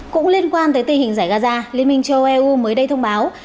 cũng liên quan tới tình hình giải gaza liên minh châu âu mới đây thông báo